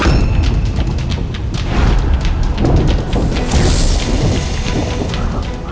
ternyata kau dia mati piasat